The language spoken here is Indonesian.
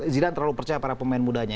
zidane terlalu percaya para pemain mudanya